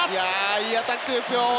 いいアタックです